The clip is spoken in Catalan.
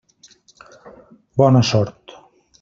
Bona sort.